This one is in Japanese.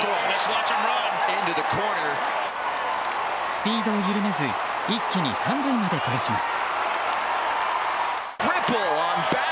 スピードを緩めず一気に３塁まで飛ばします。